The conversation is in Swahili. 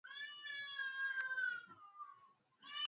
imetolewa Tuzo ya Uhuru wa Kujieleza kwa mwandishi wa Nigeria